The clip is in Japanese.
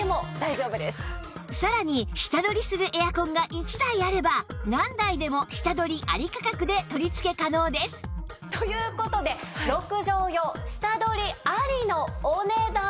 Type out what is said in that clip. さらに下取りするエアコンが１台あれば何台でも下取りあり価格で取り付け可能ですという事で６畳用下取りありのお値段は。